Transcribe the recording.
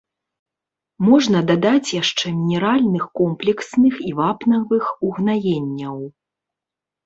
Можна дадаць яшчэ мінеральных комплексных і вапнавых угнаенняў.